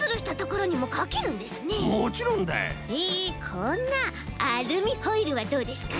こんなアルミホイルはどうですか？